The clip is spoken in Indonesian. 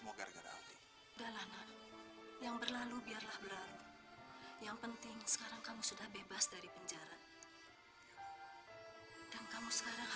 mereka turun ke dunia server kamu